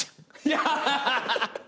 アハハハハ！